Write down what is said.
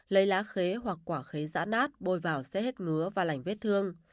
lấy lá khế hoặc quả khế dã nát bôi vào sẽ hết ngứa và lành vết thương